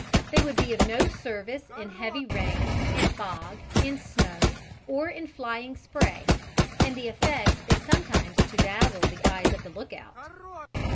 They would be of no service in heavy rain, in fog, in snow, or in flying spray, and the effect is sometimes to dazzle the eyes of the lookout.